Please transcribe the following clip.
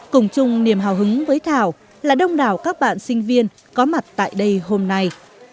cùng chung niềm hào hứng với thảo là đông đảo các bạn sinh viên có mặt tại đây hôm nay